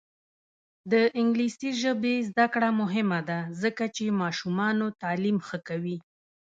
د انګلیسي ژبې زده کړه مهمه ده ځکه چې ماشومانو تعلیم ښه کوي.